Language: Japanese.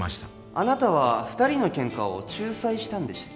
あなたは２人のケンカを仲裁したんでしたっけ？